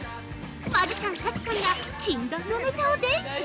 マジシャンＳＡＫＩさんが禁断のネタを伝授。